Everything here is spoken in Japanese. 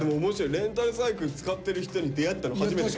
レンタルサイクル使ってる人に出会ったの初めてだよ。